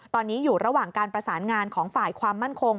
ตอนนี้อยู่ระหว่างการประสานงานของฝ่ายความมั่นคง